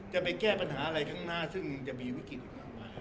จะไปแก้ปัญหาอะไรข้างหน้าซึ่งจะมีวิกฤตอีกมากมายครับ